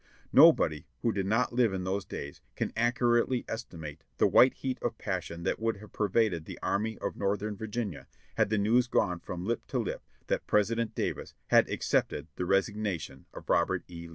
Nobody, who did not live in those days, can accurately estimate the white heat of passion that would have pervaded the Army of Northern Virginia had the news gone from lip to lip that President Davis had accepted the resignation of Rob ert E.